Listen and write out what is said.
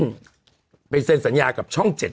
นี่แต่ไปดูว่าคุณเอกขวัญกลับช่องเจ็ด